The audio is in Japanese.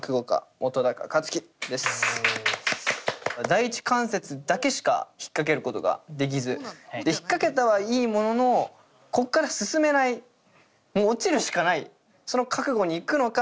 第一関節だけしか引っ掛けることができず引っ掛けたはいいもののここから進めないもう落ちるしかないその覚悟にいくのか